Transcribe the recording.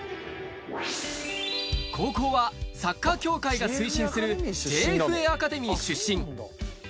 高校はサッカー協会が推進するＪＦＡアカデミー出身。